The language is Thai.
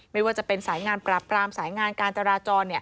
ไม่ว่าจะเป็นสายงานปราบปรามสายงานการจราจร